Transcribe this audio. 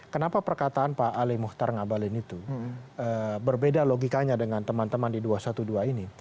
kenapa perkataan pak ali muhtar ngabalin itu berbeda logikanya dengan teman teman di dua ratus dua belas ini